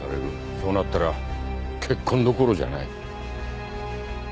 そうなったら結婚どころじゃない。